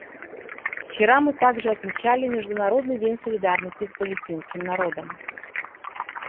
Вчера мы также отмечали Международный день солидарности с палестинским народом.